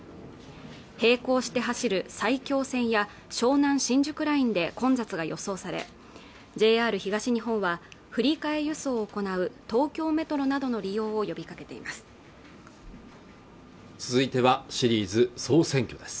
並行して走る埼京線や湘南新宿ラインで混雑が予想されＪＲ東日本は振り替え輸送を行う東京メトロなどの利用を呼びかけています